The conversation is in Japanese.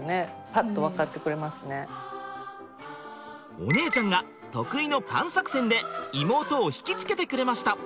お姉ちゃんが得意のパン作戦で妹を引きつけてくれました。